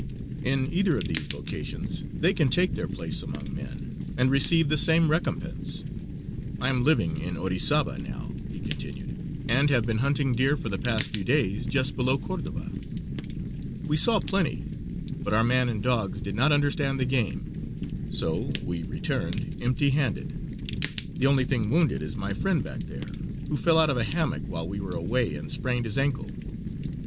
In either of these vocations they can take their place among men and receive the same recompense. "I am living in Orizaba now," he continued, "and have been hunting deer for the past few days just below Cordoba. We saw plenty, but our man and dogs did not understand the game, so we returned empty handed. The only thing wounded is my friend back there, who fell out of a hammock while we were away and sprained his ankle."